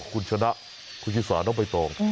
คุณชนะคุณชิสาน้องใบตอง